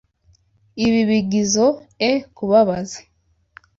Ibi bigizoe kubabaza.